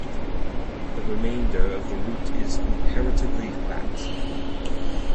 The remainder of the route is comparatively flat.